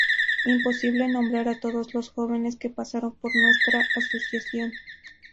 Imposible nombrar a todos los jóvenes que pasaron por nuestra asociación.